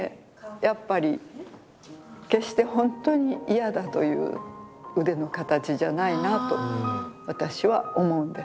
やっぱり決して本当に嫌だという腕の形じゃないなと私は思うんです。